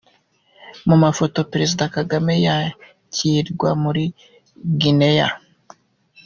Mu mafoto: Perezida Kagame yakirwa muri Guinea.